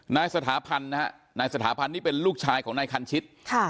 นายสถาพันธ์นะฮะนายสถาพันธ์นี่เป็นลูกชายของนายคันชิตค่ะ